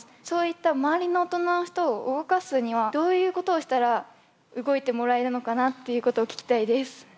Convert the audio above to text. そういった周りの大人の人を動かすにはどういうことをしたら動いてもらえるのかなっていうことを聞きたいです。